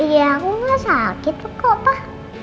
iya aku gak sakit kok pak